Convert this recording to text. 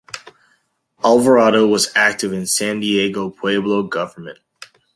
Alvarado was active in San Diego Pueblo government.